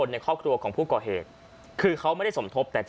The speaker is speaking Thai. พี่บ้านไม่อยู่ว่าพี่คิดดูด